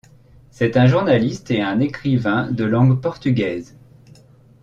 C’est un journaliste et un écrivain de langue portugaise.